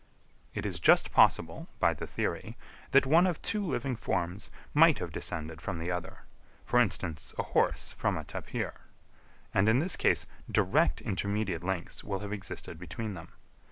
It is just possible, by the theory, that one of two living forms might have descended from the other; for instance, a horse from a tapir; and in this case direct intermediate links will have existed between them.